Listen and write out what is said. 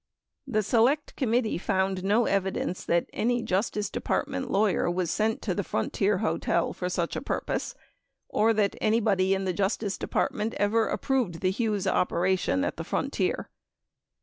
29 The Select Committee found no evidence that 'any Justice Depart ment lawyer was sent to the Frontier Hotel for such a purpose or that anybody in the Justice Department ever approved the Hughes' opera tion at the Frontier.